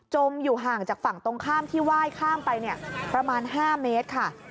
อยู่ห่างจากฝั่งตรงข้ามที่ไหว้ข้ามไปประมาณ๕เมตรค่ะ